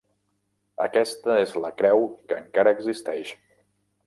Aquesta és la creu que encara existeix.